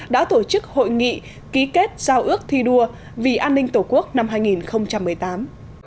đã tổ chức hội nghị ký kết giao ước thi đua vì an ninh tổ quốc năm hai nghìn một mươi tám